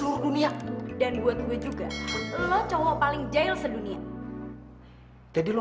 lho dia herbs anak lu